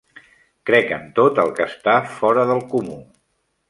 Crec en tot el que està fora del comú.